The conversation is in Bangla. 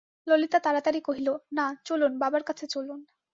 ললিতা তাড়াতাড়ি কহিল, না, চলুন, বাবার কাছে চলুন।